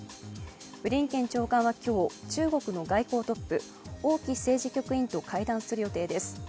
ブリンケン長官は今日、中国の外交トップ、王毅政治局員と会談する予定です。